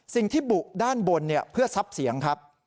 สิ่งที่บุด้านบนเพื่อซับเสียงครับ